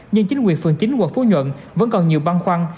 nhưng chính quyền phường chín quận phú nhuận vẫn còn nhiều băn khoăn